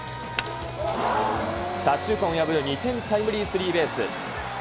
左中間を破る２点タイムリースリーベース。